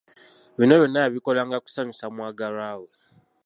Bino byonna yabikolanga kusanyusa mwagalwa we.